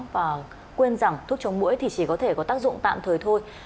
và quên rằng thuốc chống mũi thì chỉ có thể có tác dụng tạm thời thôi